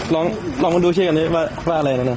ลองไปดูดูบ้างกันดีว่าอะไรนะนะ